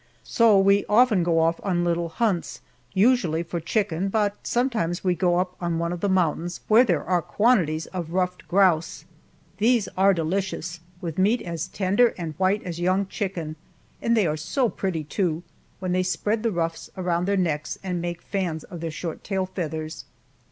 So we often go off on little hunts, usually for chicken, but sometimes we go up on one of the mountains, where there are quantities of ruffed grouse. These are delicious, with meat as tender and white as young chicken, and they are so pretty, too, when they spread the ruffs around their necks and make fans of their short tail feathers.